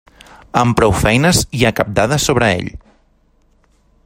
Amb prou feines hi ha cap dada sobre ell.